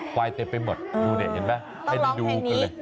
ควายเต็มไปหมดดูเห็นไหมให้ดูกันเลย